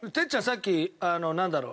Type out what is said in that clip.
さっきあのなんだろう。